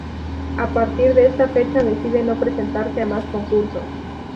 A partir de esta fecha decide no presentarse a más concursos.